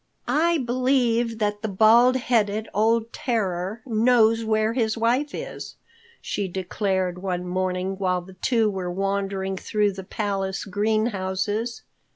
"I believe that bald headed old terror knows where his wife is," she declared one morning while the two were wandering through the palace greenhouses.